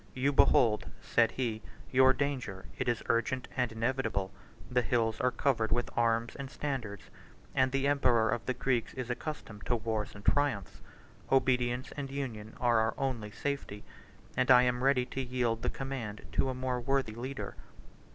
"You behold," said he, "your danger: it is urgent and inevitable. The hills are covered with arms and standards; and the emperor of the Greeks is accustomed to wars and triumphs. Obedience and union are our only safety; and I am ready to yield the command to a more worthy leader."